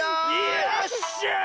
よっしゃい！